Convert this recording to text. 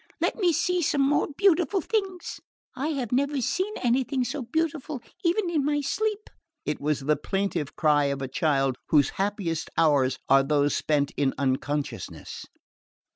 let me see some more beautiful things...I have never seen anything so beautiful, even in my sleep!" It was the plaintive cry of the child whose happiest hours are those spent in unconsciousness.